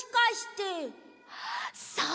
そう！